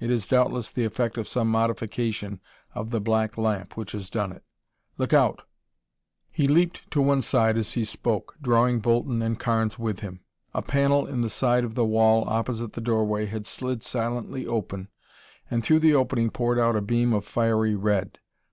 It is doubtless the effect of some modification of the black lamp which has done it. Look out!" He leaped to one side as he spoke, drawing Bolton and Carnes with him. A panel in the side of the wall opposite the doorway had slid silently open and through the opening poured out a beam of fiery red.